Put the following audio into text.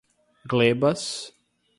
glebas